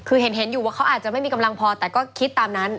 คือเห็นอยู่ว่าเขาอาจจะไม่มีกำลังพอแต่ก็คิดตามนั้น